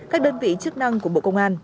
các đơn vị chức năng của bộ công an